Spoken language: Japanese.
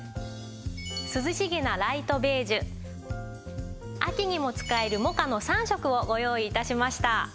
涼しげなライトベージュ秋にも使えるモカの３色をご用意致しました。